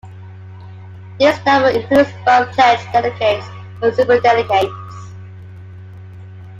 This number includes both pledged delegates and superdelegates.